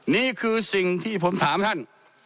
นี่คือสิ่งที่ผมถามท่าน